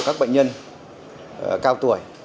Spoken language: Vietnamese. các bệnh nhân cao tuổi